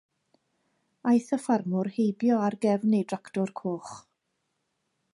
Aeth y ffarmwr heibio ar gefn ei dractor coch.